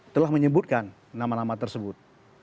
telah menyebutkan nama nama tersebut